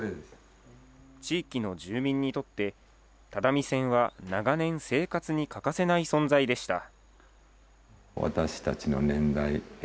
地域の住民にとって、只見線は長年生活に欠かせない存在でした。